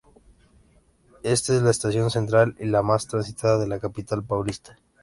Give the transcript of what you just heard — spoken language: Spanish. Esta es la estación central y la más transitada de la capital paulista.